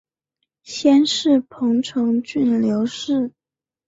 先世彭城郡刘氏。